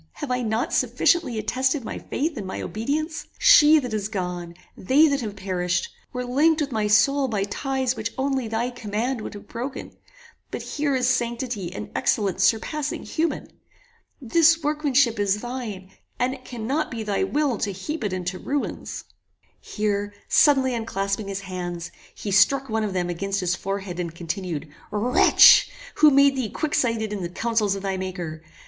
Have I not sufficiently attested my faith and my obedience? She that is gone, they that have perished, were linked with my soul by ties which only thy command would have broken; but here is sanctity and excellence surpassing human. This workmanship is thine, and it cannot be thy will to heap it into ruins." Here suddenly unclasping his hands, he struck one of them against his forehead, and continued "Wretch! who made thee quicksighted in the councils of thy Maker?